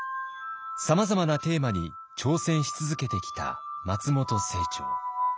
さまざまなテーマに挑戦し続けてきた松本清張。